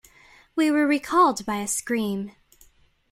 We were recalled by a scream.